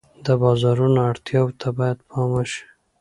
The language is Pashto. د بازار اړتیاوو ته باید پام وشي.